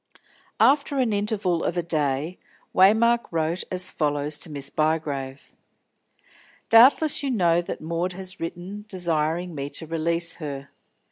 After an interval of a day Waymark wrote as follows to Miss Bygrave: "Doubtless you know that Maud has written desiring me to release her.